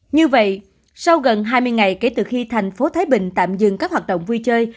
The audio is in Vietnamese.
như vậy sau gần hai mươi ngày kể từ khi thành phố thái bình tạm dừng các hoạt động vui chơi